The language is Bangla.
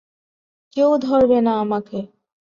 কেউ ধরবে না আমাকে।